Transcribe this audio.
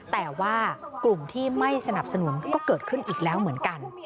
แต่ว่ากลุ่มที่ไม่สนับสนุนก็เกิดขึ้นอีกแล้วเหมือนกัน